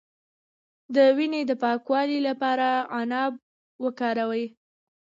د وینې د پاکوالي لپاره عناب وکاروئ